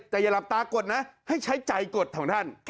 แต่อย่าหลับตากดนะให้ใช้ใจกฎของท่าน